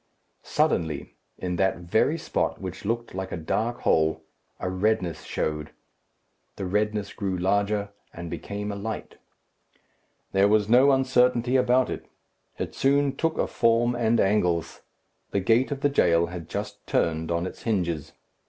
Suddenly, in that very spot which looked like a dark hole, a redness showed. The redness grew larger, and became a light. There was no uncertainty about it. It soon took a form and angles. The gate of the jail had just turned on its hinges.